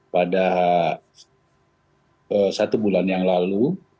pada satu bulan yang lalu